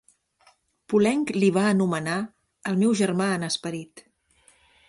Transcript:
Poulenc li va anomenar "el meu germà en esperit".